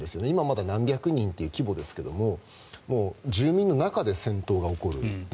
今はまだ何百人という規模ですけど住民の中で戦闘が起こる。